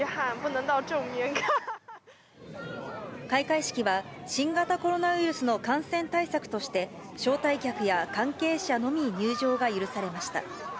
開会式は、新型コロナウイルスの感染対策として、招待客や関係者のみ入場が許されました。